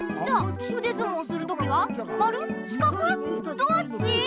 どっち⁉